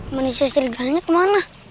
manisya serigalanya kemana